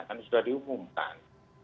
kan sudah diumumkan